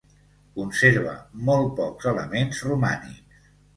Conserva molt pocs elements romànics.